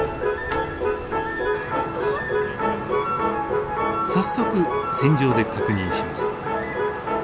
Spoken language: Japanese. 早速船上で確認します。